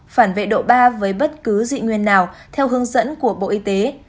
phản vệ độ ba với bất cứ dị nguyên nào theo hướng dẫn của bộ y tế